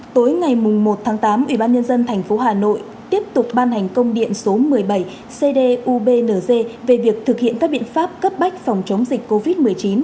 tối ngày một tháng tám ubnd tp hà nội tiếp tục ban hành công điện số một mươi bảy cdubng về việc thực hiện các biện pháp cấp bách phòng chống dịch covid một mươi chín